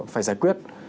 phải giải quyết